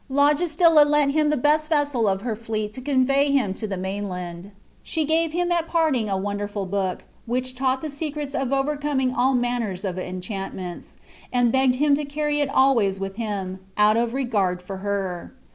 Logestilla lent him the best vessel of her fleet to convey him to the mainland. She gave him at parting a wonderful book, which taught the secret of overcoming all manners of enchantments, and begged him to carry it always with him, out of regard for her.